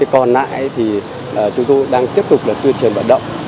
còn nãy thì chúng tôi đang tiếp tục tuyên truyền bản động